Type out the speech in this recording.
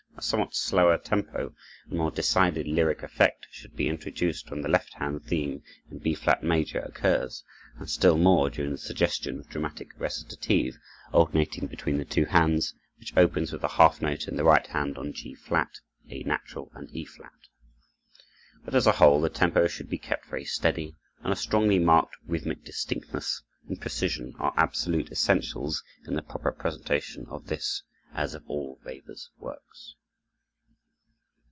A somewhat slower tempo and more decided lyric effect should be introduced when the left hand theme in B flat major occurs, and still more during the suggestion of dramatic recitative, alternating between the two hands, which opens with the half note in the right hand on G flat, A natural, and E flat. But, as a whole, the tempo should be kept very steady, and a strongly marked rhythmic distinctness and precision are absolute essentials in the proper presentation of this, as of all Weber's works.